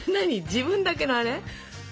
自分だけのあれ？